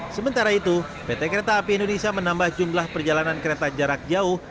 sementara itu pt kereta api indonesia menambah jumlah perjalanan kereta jarak jauh